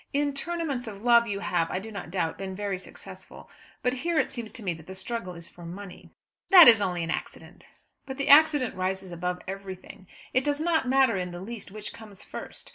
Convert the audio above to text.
"In tournaments of love, you have, I do not doubt, been very successful; but here, it seems to me that the struggle is for money." "That is only an accident." "But the accident rises above everything. It does not matter in the least which comes first.